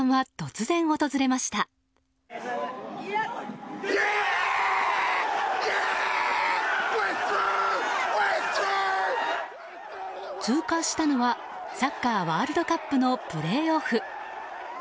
通過したのはサッカーワールドカップのプレーオフ。